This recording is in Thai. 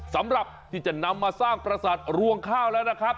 สำหรับที่จะนำมาสร้างประสาทรวงข้าวแล้วนะครับ